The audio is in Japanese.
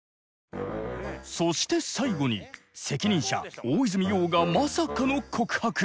そして最後に責任者・大泉洋がまさかの告白。